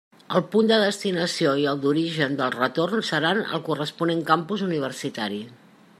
El punt de destinació i el d'origen del retorn seran el corresponent campus universitari.